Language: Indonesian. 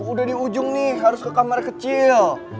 udah di ujung nih harus ke kamar kecil